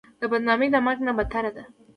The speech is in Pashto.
بدنامي د مرګ نه بدتره ده.